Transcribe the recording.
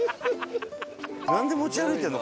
なんで持ち歩いてるの？